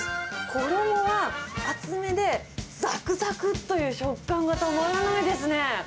衣が厚めで、ざくざくっという食感がたまらないですね。